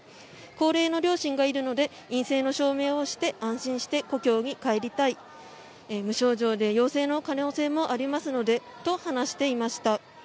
高齢の両親がいるので陰性の証明をして安心して故郷に帰りたい無症状で陽性の可能性もありますのでと話していました。